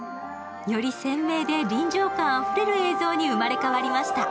より鮮明で臨場感あふれる映像に生まれ変わりました。